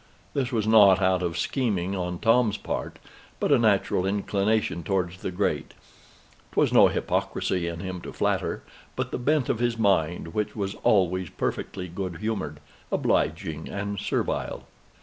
This was not out of scheming on Tom's part, but a natural inclination towards the great. 'Twas no hypocrisy in him to flatter, but the bent of his mind, which was always perfectly good humored, obliging, and servile.